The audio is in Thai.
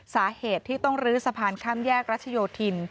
สาเหตุที่ต้องลื้อสะพานข้ามแยกรัชโยธิน